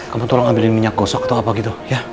kamu tolong ambilin minyak gosok atau apa gitu ya